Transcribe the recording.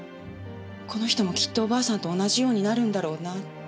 この人もきっとおばあさんと同じようになるんだろうなって。